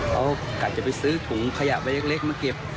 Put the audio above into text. เขากะจะไปซื้อถุงขยะใบเล็กมาเก็บ